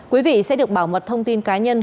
quý vị sẽ được bảo mật thông tin cá nhân